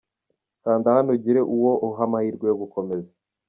kanda hano ugire uwo uha amahirwe yo gukomeza!.